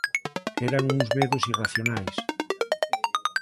Eran uns medos irracionais.